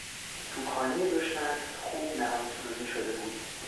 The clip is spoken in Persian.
توپخانهی دشمن خوب نهانسازی شده بود.